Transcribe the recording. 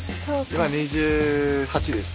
今２８です。